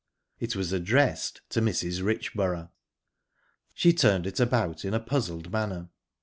It was addressed to Mrs. Richborough. She turned it about in a puzzled manner.